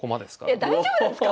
いや大丈夫なんですか